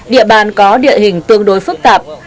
địa bàn có địa hình tương đối phức tạp